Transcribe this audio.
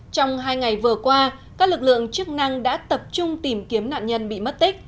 trong hai ngày vừa qua các lực lượng chức năng đã tập trung tìm kiếm nạn nhân bị mất tích